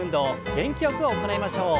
元気よく行いましょう。